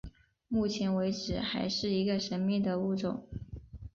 目前为止还是一个神秘的物种。